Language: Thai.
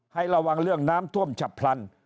ให้ระวังเรื่องน้ำท่วมฉับพลัน